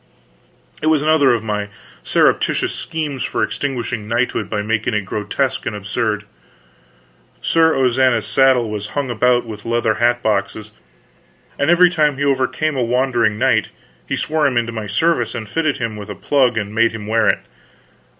It was another of my surreptitious schemes for extinguishing knighthood by making it grotesque and absurd. Sir Ozana's saddle was hung about with leather hat boxes, and every time he overcame a wandering knight he swore him into my service and fitted him with a plug and made him wear it.